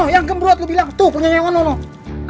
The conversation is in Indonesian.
yang gembrot lu bilang tuh punya yang mana om